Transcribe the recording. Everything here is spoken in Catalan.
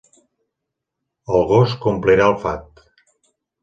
El gos complirà el fat